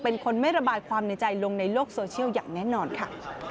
เป็นคนไม่ระบายความในใจลงในโลกโซเชียลอย่างแน่นอนค่ะ